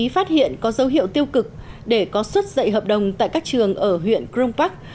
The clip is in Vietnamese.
phát hiện có dấu hiệu tiêu cực để có xuất dậy hợp đồng tại các trường ở huyện cron park